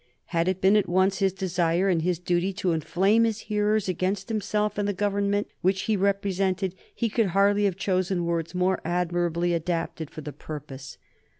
Had it been at once his desire and his duty to inflame his hearers against himself and the Government which he represented he could hardly have chosen words more admirably adapted for the purpose.